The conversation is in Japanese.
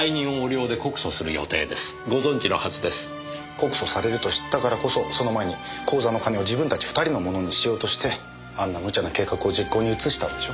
告訴されると知ったからこそその前に口座の金を自分たち２人のものにしようとしてあんな無茶な計画を実行に移したんでしょ。